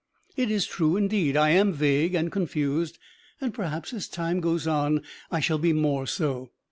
It is true indeed: I am vague and confused, and perhaps as time goes on I shall be more so.